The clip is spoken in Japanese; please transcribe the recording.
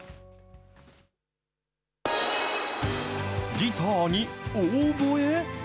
ギターに、オーボエ？